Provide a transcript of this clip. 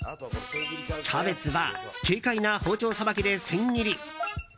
キャベツは軽快な包丁さばきで千切り。